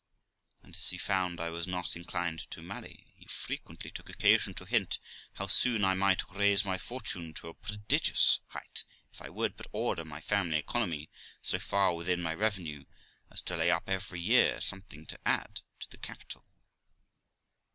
And, as he found I was not inclined to marry, he frequently took occasion to hint how soon I might raise my fortune to a prodigious height, if I would but order my family economy so far within my revenue as to lay up every year some thing to add to the capital.